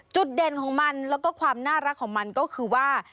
เด่นของมันแล้วก็ความน่ารักของมันก็คือว่า